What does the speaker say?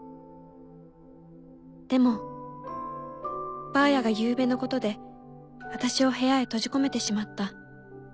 「でもばあやがゆうべのことであたしを部屋へ閉じ込めてしまった。